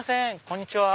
こんにちは。